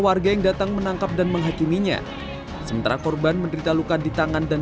warga yang datang menangkap dan menghakiminya sementara korban menderita luka di tangan dan